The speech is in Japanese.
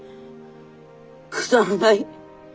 くだらない？